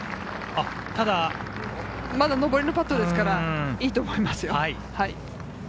まだ上りのパットですから、いいと思いますよ。